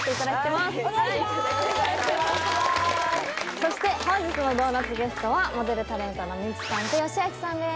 そして本日のドーナツゲストはモデルタレントのミチさんとよしあきさんです